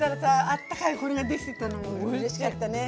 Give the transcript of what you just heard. あったかいこれができてたのうれしかったね。